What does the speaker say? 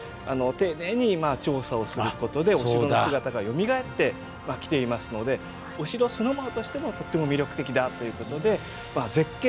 丁寧に調査をすることでお城の姿がよみがえってきていますのでお城そのものとしてもとっても魅力的だということで絶景